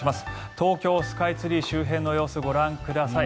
東京スカイツリー周辺の様子ご覧ください。